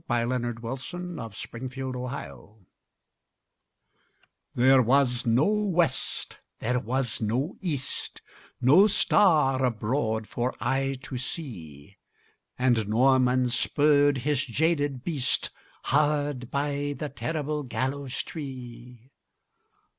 Y Z The Demon of the Gibbet THERE was no west, there was no east, No star abroad for eye to see; And Norman spurred his jaded beast Hard by the terrible gallows tree.